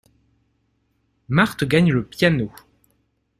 Marthe gagne le piano.